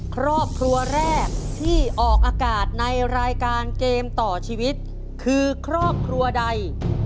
ครอบครัวแรกที่ออกอากาศในรายการเกมต่อชีวิตคือครอบครัวใด